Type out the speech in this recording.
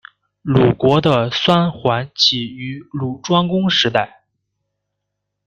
鲁国的三桓起于鲁庄公时代。